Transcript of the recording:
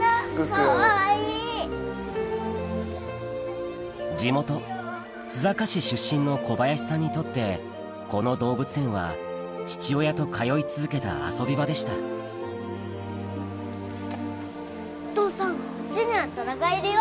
かわいい地元須坂市出身の小林さんにとってこの動物園は父親と通い続けた遊び場でしたお父さんこっちにはトラがいるよ